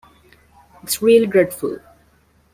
It's really dreadful!